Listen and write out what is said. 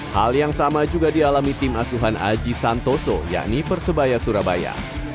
hal yang sama juga dialami tim asuhan aji santoso yakni persebaya surabaya